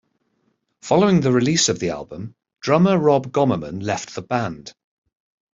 Following the release of the album, drummer Rob Gommerman left the band.